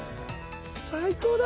最高だ！